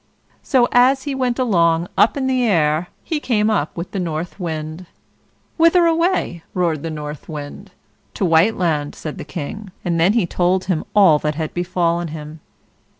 So as he went along up in the air, he came up with the North wind. "Whither away?" roared the North Wind. "To Whiteland," said the King; and then he told him all that had befallen him.